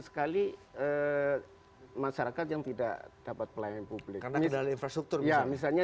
sekali masyarakat yang tidak dapat pelayanan publik karena didalam infrastruktur ya misalnya